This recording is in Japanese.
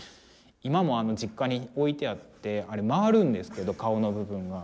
今も実家に置いてあってあれ回るんですけど顔の部分が。